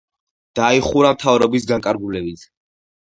დაიხურა მთავრობის განკარგულებით.